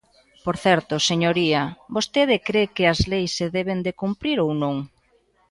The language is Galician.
Por certo, señoría, ¿vostede cre que as leis se deben de cumprir ou non?